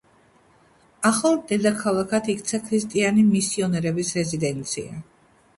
ახალ დედაქალაქად იქცა ქრისტიანი მისიონერების რეზიდენცია.